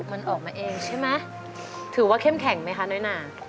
มันออกมาเองใช่ไหมถือว่าเข้มแข็งไหมคะน้อยหนา